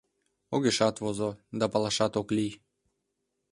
Огешат возо, да палашат ок лий...